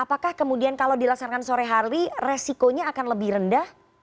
apakah kemudian kalau dilaksanakan sore hari resikonya akan lebih rendah